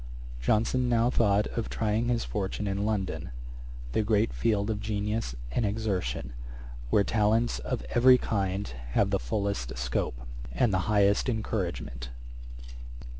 Johnson now thought of trying his fortune in London, the great field of genius and exertion, where talents of every kind have the fullest scope, and the highest encouragement.